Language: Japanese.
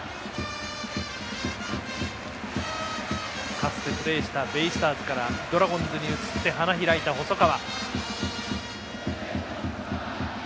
かつてプレーしたベイスターズからドラゴンズに移って花開いた細川。